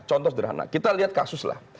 contoh sederhana kita lihat kasus lah